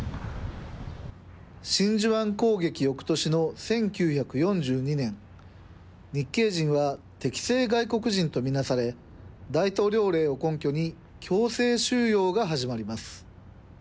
真珠湾攻撃よくとしの１９４２年、日系人は敵性外国人と見なされ、大統領令を根拠に強制収容が始まります。